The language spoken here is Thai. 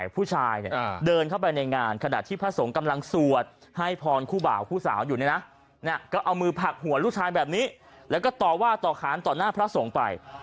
ผู้สาวอยู่นี่นะก็เอามือผักหัวลูกชายแบบนี้แล้วก็ต่อว่าต่อขานต่อหน้าพระส่งไป